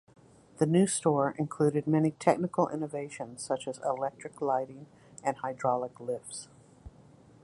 The new store included many technical innovations such as electric lighting and hydraulic lifts.